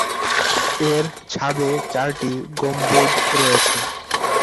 এর ছাদে চারটি গম্বুজ রয়েছে।